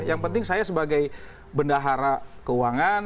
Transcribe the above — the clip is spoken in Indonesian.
yang penting saya sebagai bendahara keuangan